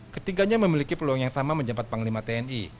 ketiganya memiliki peluang yang sama menjembat pengelima tni